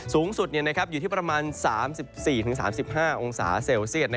สูงสุดอยู่ที่ประมาณ๓๔๓๕องศาเซลเซียต